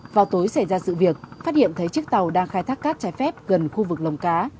vào tối xảy ra sự việc phát hiện thấy chiếc tàu đang khai thác cát trái phép gần khu vực lồng cá